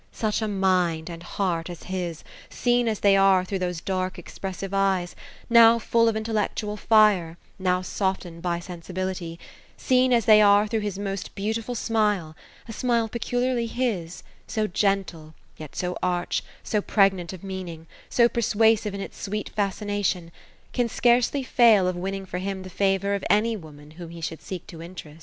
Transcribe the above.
Such a mind and heart as his, seen as they are through those dark expressive eyes, — now full of intellectual fire, now softened by sensibility ;— seen as they are through his most beautiful smile — ^a smile peculiarly his — so gentle, yet so arch, so pregnant of meaning, so persuasive in its sweet fascination — can scarcely fiftil of winning for him the favor of any woman whom he should seek to interest."